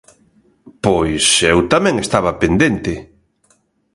Pois eu tamén estaba pendente.